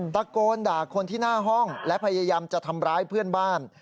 ตะโกนด่าคนที่หน้าห้องและพยายามจะทำร้ายเพื่อนบ้าน